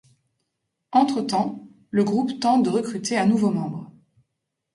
Entretemps, le groupe tente de recruter un nouveau membre.